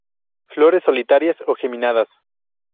Flores solitarias o geminadas.